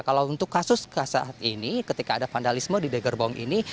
kalau untuk kasus saat ini ketika ada vandalisme di gerbong ini